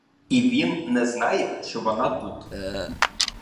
І він не знає, що вона тут.